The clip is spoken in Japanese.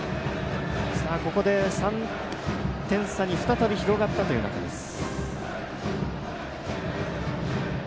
ここで３点差に再び広がったという中です。